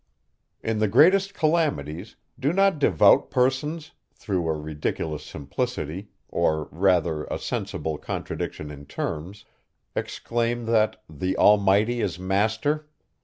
In the greatest calamities, do not devout persons, through a ridiculous simplicity, or rather a sensible contradiction in terms, exclaim, that the Almighty is master.